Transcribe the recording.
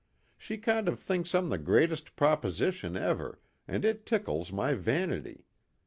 She kind of thinks I'm the greatest proposition ever, and it tickles my vanity.